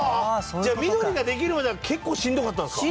じゃあミドリができるまでは結構しんどかったんですか？